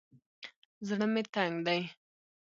زړه مې تنګ دى.